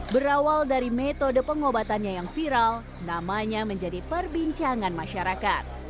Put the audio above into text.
berawal dari metode pengobatannya yang viral namanya menjadi perbincangan masyarakat